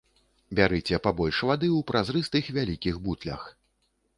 Бярыце пабольш вады ў празрыстых вялікіх бутлях.